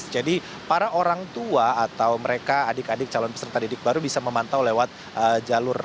jadi para orang tua atau mereka adik adik calon peserta didik baru bisa memantau lewat jalur